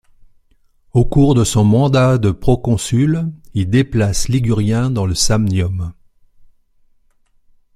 Au cours de son mandat de Proconsul, il déplace liguriens dans le Samnium.